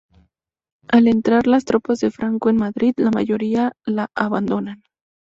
Al entrar las tropas de Franco en Madrid, la mayoría la abandonan.